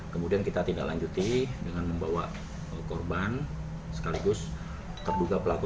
kemudian kita tindak lanjuti dengan membawa korban sekaligus terduga pelaku